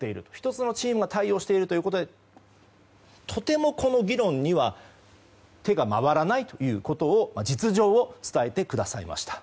１つのチームが対応しているということでとてもこの議論には手が回らないという実情を伝えてくださいました。